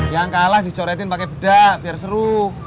yang kalah dicoretin pakai bedak biar seru